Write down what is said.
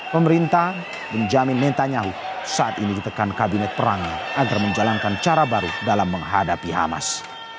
pemerintah menjamin mentanyahu saat ini ditekan kabinet perangnya agar menjalankan cara baru dalam menghadapi hamas